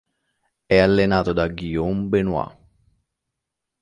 È allenato da Guillaume Benoist.